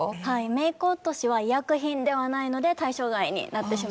メーク落としは医薬品ではないので対象外になってしまうんですよね。